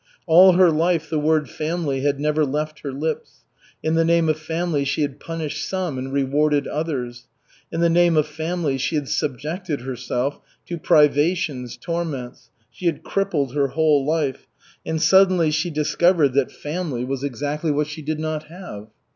All her life the word "family" had never left her lips. In the name of "family" she had punished some and rewarded others. In the name of "family" she had subjected herself to privations, torments, she had crippled her whole life; and suddenly she discovered that "family" was exactly what she did not have.